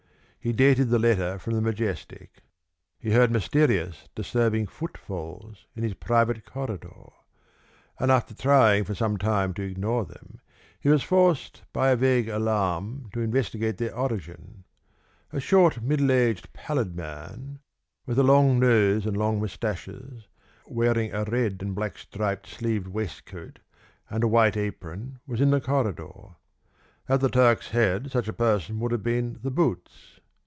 He dated the letter from the Majestic. As he was finishing it, he heard mysterious, disturbing footfalls in his private corridor, and after trying for some time to ignore them, he was forced by a vague alarm to investigate their origin. A short middle aged, pallid man, with a long nose and long moustaches, wearing a red and black striped sleeved waistcoat and a white apron, was in the corridor. At the Turk's Head such a person would have been the boots.